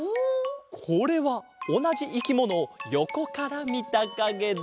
これはおなじいきものをよこからみたかげだ。